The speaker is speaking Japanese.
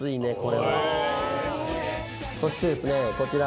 そしてですねこちら。